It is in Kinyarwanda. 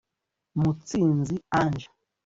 Mutsinzi Ange